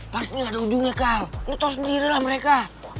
pasti gak ada ujungnya kal lo tau sendiri lah mereka